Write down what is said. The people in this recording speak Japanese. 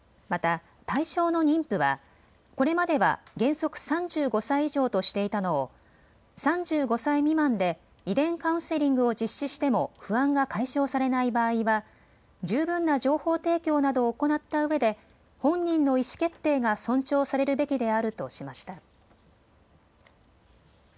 また対象の妊婦はこれまでは原則３５歳以上としていたのを３５歳未満で遺伝カウンセリングを実施しても不安が解消されない場合は十分な情報提供などを行ったうえで本人の意思決定が尊重されるべきであるとしました。